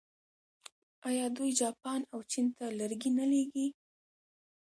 آیا دوی جاپان او چین ته لرګي نه لیږي؟